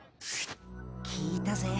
聞いたぜ。